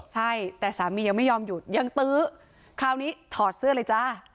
ใช่แต่สามียังไม่ยอมหยุดยังตื้อคราวนี้ถอดเสื้อเลยจ้า